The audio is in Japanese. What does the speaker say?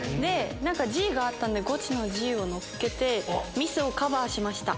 「Ｇ」があったんでゴチの「Ｇ」をのっけてミスをカバーしました。